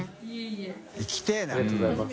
圓燭い福ありがとうございます。